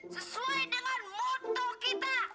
sesuai dengan motto kita